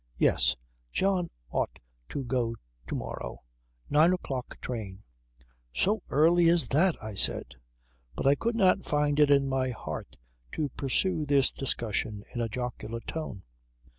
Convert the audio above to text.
"Yes. John ought to go to morrow. Nine o'clock train." "So early as that!" I said. But I could not find it in my heart to pursue this discussion in a jocular tone.